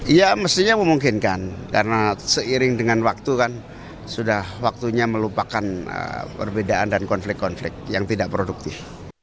iya mestinya memungkinkan karena seiring dengan waktu kan sudah waktunya melupakan perbedaan dan konflik konflik yang tidak produktif